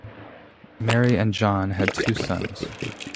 Mary and John had two sons.